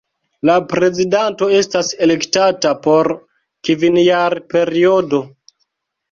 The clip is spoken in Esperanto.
La prezidanto estas elektata por kvinjarperiodo.